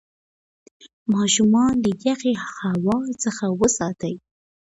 ماشومان له یخې هوا څخه وساتئ.